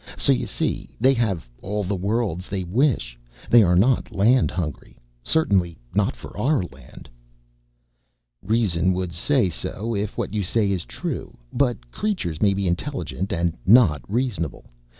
So you see, they have all the worlds they wish. They are not land hungry. Certainly not for our land." "Reason would say so, if what you say is true. But creatures may be intelligent and not reasonable.